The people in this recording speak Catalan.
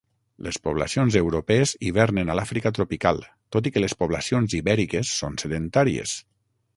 Les poblacions europees hivernen a l'Àfrica tropical, tot i que les poblacions ibèriques són sedentàries.